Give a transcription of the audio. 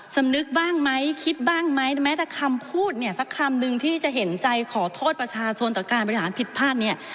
สำนึกบ้างไหมคิดบ้างไหมแม้แต่คำพูดเนี่ยสักคำนึงที่จะเห็นใจขอโทษประชาชนต่อการบริหารผิดพลาดเนี่ย